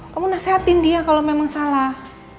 kamu nasehatin dia kalau memang salah